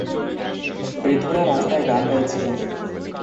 বৃদ্ধরা রাস্তায় গান গাইছে।